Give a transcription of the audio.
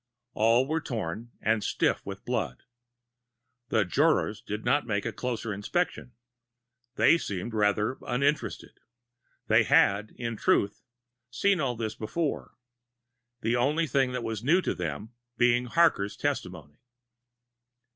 All were torn, and stiff with blood. The jurors did not make a closer inspection. They seemed rather uninterested. They had, in truth, seen all this before; the only thing that was new to them being Harker's testimony.